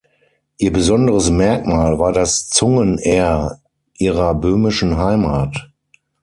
Ihr besonderes Merkmal war das Zungen-R ihrer böhmischen Heimat.